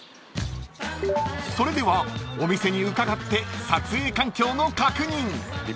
［それではお店に伺って撮影環境の確認］